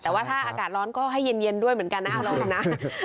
แต่ว่าถ้าอากาศล้อนก็ให้เย็นด้วยเหมือนกันนะ